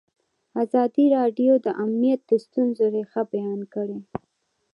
ازادي راډیو د امنیت د ستونزو رېښه بیان کړې.